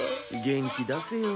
元気出せよ。